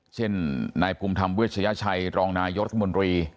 เช่นนายภูมิธรรมเวชยชัยรองนายกรัฐมนตรี